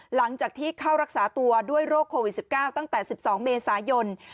หลังจากที่เข้ารักษาตัวด้วยโรคโควิด๑๙ตั้งแต่๑๒เมษายน